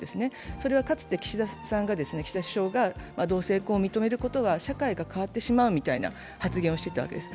それはかつて岸田首相は同姓婚を認めることは社会が変わってしまうみたいな発言をしてたわけです。